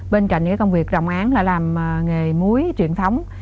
bên cạnh cái công việc trọng án là làm nghề muối truyền thống